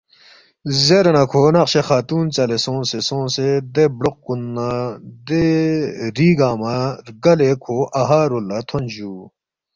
“ زیرے نہ کھو نقشِ خاتون ژَلے سونگسے سونگسے دے بروق کُن نہ دے ری گنگمہ رگلے کھو اَہا رول لہ تھونس جُو